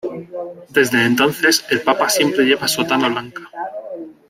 Desde entonces, el papa siempre lleva sotana blanca.